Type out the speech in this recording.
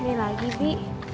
ini lagi bi